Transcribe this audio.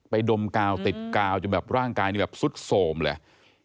ดมกาวติดกาวจนแบบร่างกายนี่แบบสุดโสมเลย